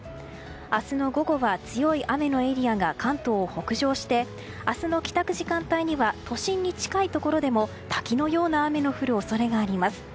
明日の午後は強い雨のエリアが関東を北上して明日の帰宅時間帯には都心に近いところでも滝のような雨の降る恐れがあります。